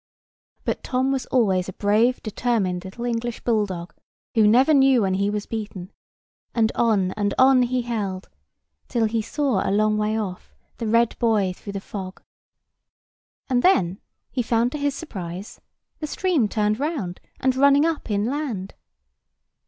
But Tom was always a brave, determined, little English bull dog, who never knew when he was beaten; and on and on he held, till he saw a long way off the red buoy through the fog. And then he found to his surprise, the stream turned round, and running up inland.